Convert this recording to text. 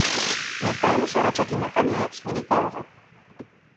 Ներկայումս առաջադիմական հայացքների կրող է։